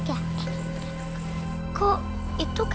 tidur dikit yuk